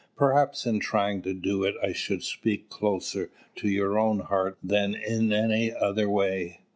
Perhaps in trying to do it I should speak closer to your own heart than in any other way.